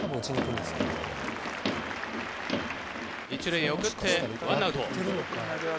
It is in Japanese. １塁へ送って、ワンアウト。